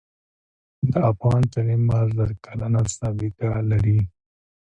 د افغان کلمه زر کلنه سابقه لري.